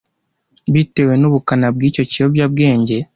bitewe n’ubukana bw’icyo kiyobyabwenge